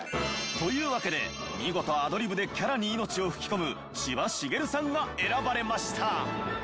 というわけで見事アドリブでキャラに命を吹き込む千葉繁さんが選ばれました。